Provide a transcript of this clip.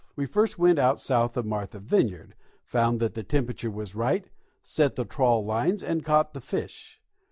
We first went out south of Marthas Vineyard, found that the temperature was right, set the trawl lines and caught the fish.